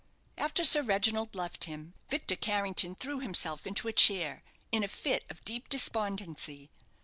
After Sir Reginald left him, Victor Carrington threw himself into a chair in a fit of deep despondency.